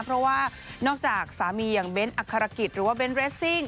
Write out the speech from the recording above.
เพราะว่านอกจากสามีอย่างเบ้นอักษรกิจหรือว่าเน้นเรสซิ่ง